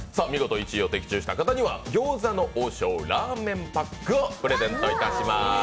見事１位を的中した方には餃子の王将ラーメンパックをプレゼントいたします。